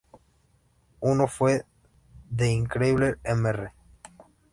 Uno fue "The Incredible Mr.